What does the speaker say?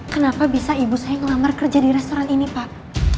kenapa bisa ibu saya ngelamar kerja di restoran ini pak